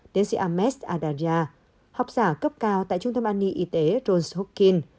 tiến sĩ ahmed adaria học giả cấp cao tại trung tâm anni y tế johns hopkins